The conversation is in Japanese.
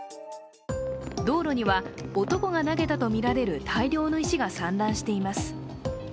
道路には、男が投げたとみられる大量の石が散乱しています。